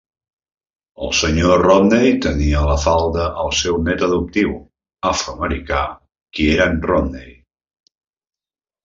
El Sr. Romney tenia a la falda el seu net adoptiu afroamericà, Kieran Romney.